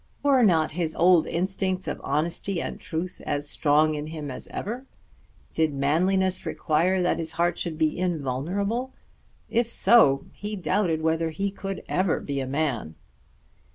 Were not his old instincts of honesty and truth as strong in him as ever? Did manliness require that his heart should be invulnerable? If so he doubted whether he could ever be a man.